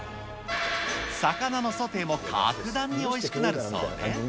魚のソテーも格段においしくなるそうで。